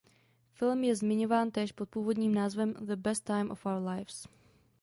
Film je zmiňován též pod původním názvem "The Best Time of Our Lives".